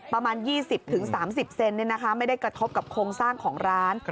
ประมาณ๒๐๓๐เซนไม่ได้กระทบกับโครงสร้างของร้าน